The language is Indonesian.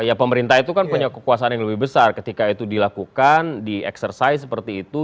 ya pemerintah itu kan punya kekuasaan yang lebih besar ketika itu dilakukan di exercise seperti itu